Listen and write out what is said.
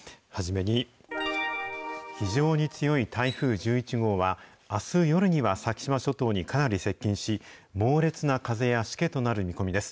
初めに、非常に強い台風１１号は、あす夜には先島諸島にかなり接近し、猛烈な風やしけとなる見込みです。